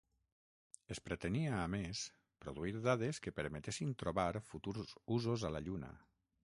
Es pretenia, a més, produir dades que permetessin trobar futurs usos a la Lluna.